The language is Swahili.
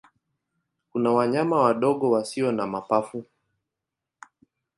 Kuna wanyama wadogo wasio na mapafu.